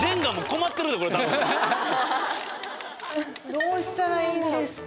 どうしたらいいんですか？